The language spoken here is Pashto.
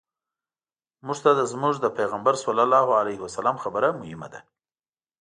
موږ ته زموږ د پیغمبر صلی الله علیه وسلم خبره مهمه ده.